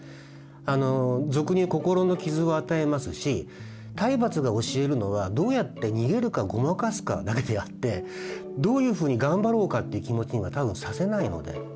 あの俗にいう心の傷を与えますし体罰が教えるのはどうやって逃げるかごまかすかだけであってどういうふうに頑張ろうかって気持ちには多分させないので。